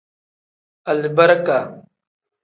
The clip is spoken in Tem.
Alibarika.